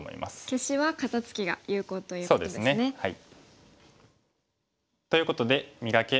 消しは肩ツキが有効ということですね。ということで「磨け！